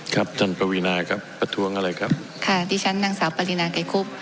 ครับท่านปวีนาครับประท้วงอะไรครับค่ะดิฉันนางสาวปรินาไกรคุบ